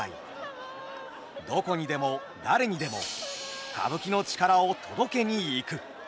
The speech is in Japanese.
どこにでも誰にでも歌舞伎の力を届けに行く。